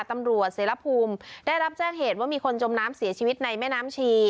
ตำรวจเสรภูมิได้รับแจ้งเหตุว่ามีคนจมน้ำเสียชีวิตในแม่น้ำชี